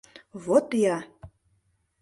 — Вот ия!